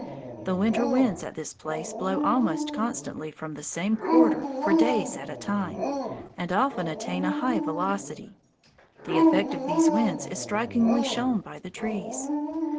The winter winds at this place blow almost constantly from the same quarter for days at a time, and often attain a high velocity. The effect of these winds is strikingly shown by the trees.